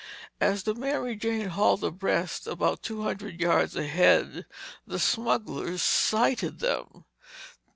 As the Mary Jane hauled abreast about two hundred yards ahead, the smugglers sighted them.